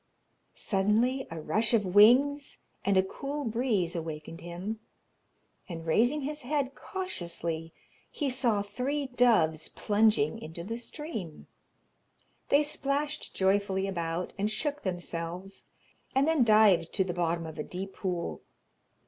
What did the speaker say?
Suddenly a rush of wings and a cool breeze awakened him, and raising his head cautiously, he saw three doves plunging into the stream. They splashed joyfully about, and shook themselves, and then dived to the bottom of a deep pool.